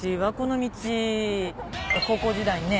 高校時代にね